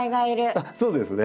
あっそうですね。